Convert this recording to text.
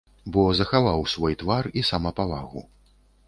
Бо захаваў свой твар і самапавагу.